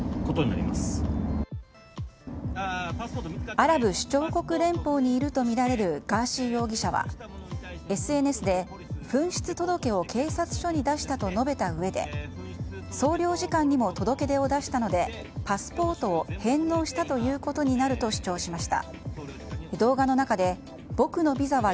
アラブ首長国連邦にいるとみられるガーシー容疑者はＳＮＳで紛失届を警察署に出したと述べたうえで総領事館にも届け出を出したのでパスポートを返納したことになると主張しました。